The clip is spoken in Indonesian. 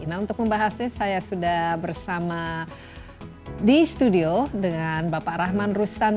nah untuk membahasnya saya sudah bersama di studio dengan bapak rahman rustan